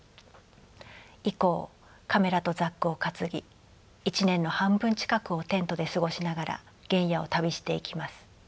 以降カメラとザックを担ぎ一年の半分近くをテントで過ごしながら原野を旅していきます。